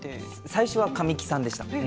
最初は「神木さん」でした。